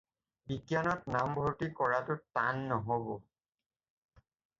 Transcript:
বিজ্ঞানত নাম ভৰ্তি কৰাটো টান নহ'ব।